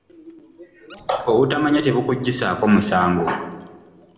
Obutamanya tebukuggyisaako musango.